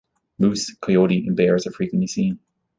Moose, coyote, and bears are frequently seen.